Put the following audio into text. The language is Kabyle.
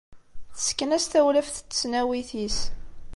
Tessken-as tawlaft n tesnawit-is.